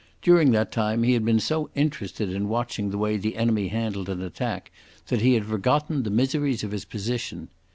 During that time he had been so interested in watching the way the enemy handled an attack that he had forgotten the miseries of his position.